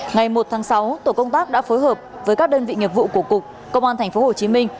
ngày một tháng sáu tổ công tác đã phối hợp với các đơn vị nghiệp vụ của cục công an tp hồ chí minh